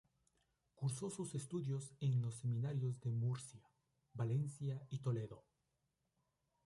Cursó sus estudios en los Seminarios de Murcia, Valencia y Toledo.